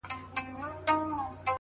زه يې د خپلې پاکي مينې په انجام نه کړم~